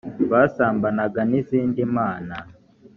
basambanaga n izindi mana